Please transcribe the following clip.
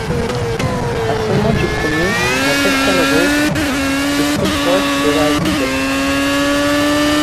À seulement du premier, la Pescarolo est très proche de la Zytek.